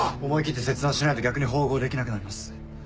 思い切って切断しないと逆に縫合できなくなります。